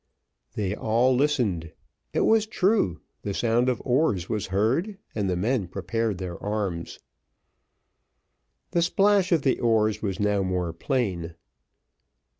They all listened; it was true, the sound of oars was heard, and the men prepared their arms. The splash of the oars was now more plain.